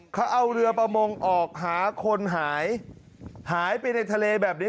เขาเอาเรือประมงออกหาคนหายหายไปในทะเลแบบนี้